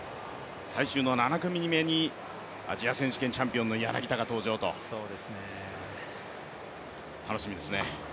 最終の７組目にアジア選手権のチャンピオン、柳田が登場、楽しみですね。